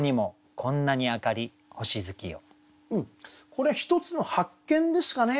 これ一つの発見ですかね。